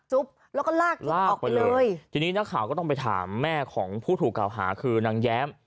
แล้วก็ลากลากออกไปเลยทีนี้นักข่าวก็ต้องไปถามแม่ของผู้ถูกกล่าวหาคือนางแย้ม